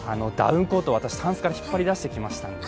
ダウンコート、私、たんすから引っ張り出してきました。